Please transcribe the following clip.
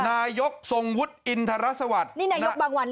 นายกทรงวุฒิอินทรสวรรค์นี่นายกบางวันหรือเปล่า